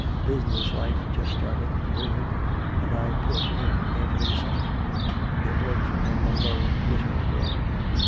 Business life just starting booming! and I put in every cent!" There broke from him a low, bitter groan.